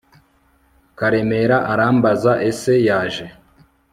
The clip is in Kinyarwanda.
karemera arambaza ese yaje